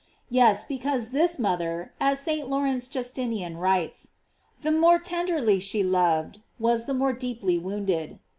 f Yes, because this mother, as St. Lawrence Justinian writes: The more tenderly she loved, was the more deeply wounded.